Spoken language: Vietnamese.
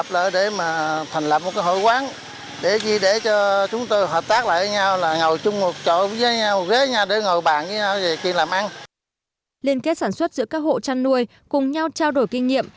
liên kết sản xuất giữa các hộ chăn nuôi cùng nhau trao đổi kinh nghiệm